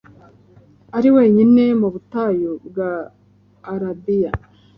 Ari wenyine mu butayu bwa Arabiya,